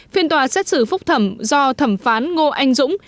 phiên tòa xét xử phúc thẩm do thẩm phán ngô anh dũng